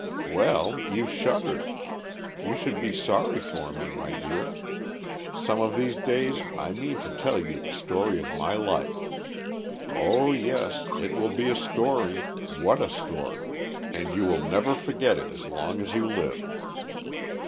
"Well, you shuddered. You should be sorry for me, my dear. Some of these days I mean to tell you the story of my life. Oh, yes, it will be a story what a story! And you will never forget it as long as you live."